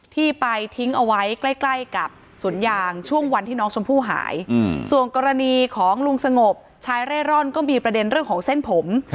ที่ไปทิ้งเอาไว้ใกล้ใกล้กับสวนยางช่วงวันที่น้องชมพู่หายส่วนกรณีของลุงสงบชายเร่ร่อนก็มีประเด็นเรื่องของเส้นผม